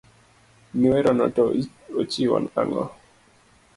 Mi werono to ochiwo ang'o.